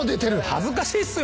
恥ずかしいっすよ